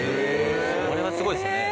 これはすごいですよね。